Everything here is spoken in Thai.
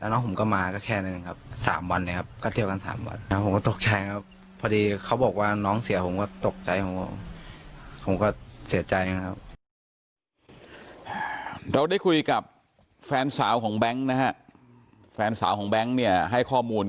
น้องผมก็มาคันเราแค่นั้น